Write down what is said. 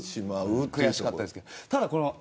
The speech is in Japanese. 悔しかったですけど。